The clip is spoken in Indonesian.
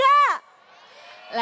langsung saja ini dia